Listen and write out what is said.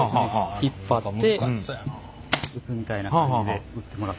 引っ張って打つみたいな感じで打ってもらったら。